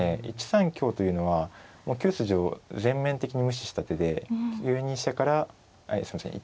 １三香というのは９筋を全面的に無視した手で９二飛車からすいません